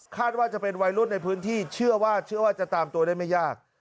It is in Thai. ถ้าว่าจะเป็นไวรุดในพื้นที่เชื่อว่าจะตามตัวจะไม่ยาก